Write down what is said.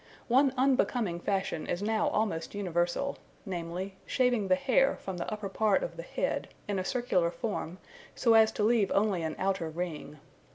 One unbecoming fashion is now almost universal: namely, shaving the hair from the upper part of the head, in a circular form, so as to leave only an outer ring.